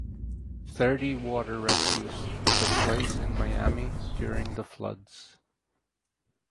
Thirty water rescues took place in Miami during the floods.